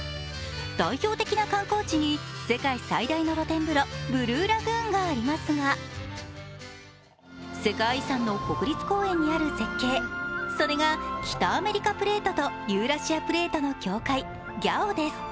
代表的な観光地に世界最大の露天風呂、ブルーラグーンがありますが世界遺産の国立公園にある絶景、それが北アメリカプレートとユーラシアプレートの境界ギャオです。